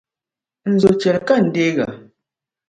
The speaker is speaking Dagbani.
Nzo chɛli ka n-deega.